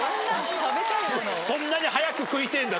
そんなに早く食いてぇんだ